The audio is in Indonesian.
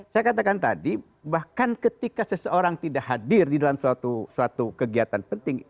saya katakan tadi bahkan ketika seseorang tidak hadir di dalam suatu kegiatan penting